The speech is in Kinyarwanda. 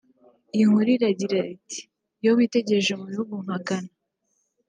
Iyi nkuru iragira iti iyo witegereje mu bihugu nka Ghana